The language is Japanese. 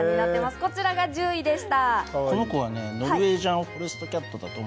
こちらが１０位でした。